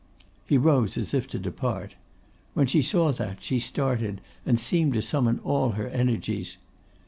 He rose as if to depart. When she saw that, she started, and seemed to summon all her energies.